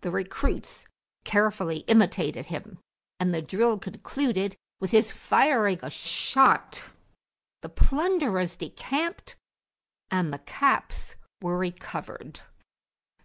The recruits carefully imitated him, and the drill concluded with his firing a shot; the plunderers decamped and the caps were recovered.